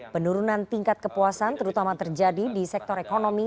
penurunan tingkat kepuasan terutama terjadi di sektor ekonomi